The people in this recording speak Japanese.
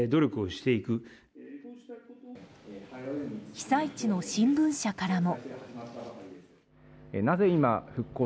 被災地の新聞社からも。